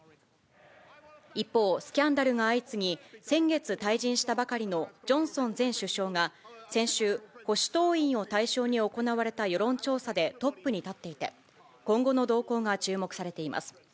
一方、スキャンダルが相次ぎ、先月退陣したばかりのジョンソン前首相が、先週、保守党員を対象に行われた世論調査でトップに立っていて、今後の動向が注目されています。